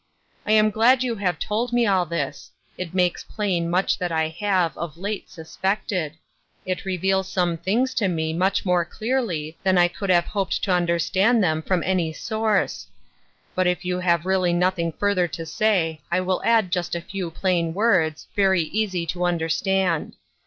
I am glad you have told me all this ; it makes plain much that I have, of late, suspected ; it reveals some things to me much more clearly than I could have hoped to understand them from any source ; but if you have really nothing further to say, I will add just a few plain words, very easy to be understood.